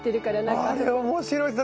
あれ面白いです。